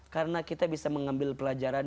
karena kita bisa mengambil pelajaran